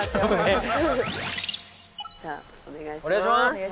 お願いします。